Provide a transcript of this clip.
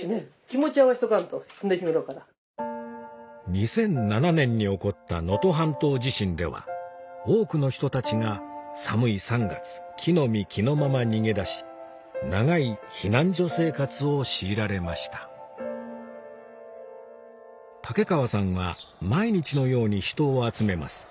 ２００７年に起こった能登半島地震では多くの人たちが寒い３月着の身着のまま逃げ出し長い避難所生活を強いられました竹川さんは毎日のように人を集めます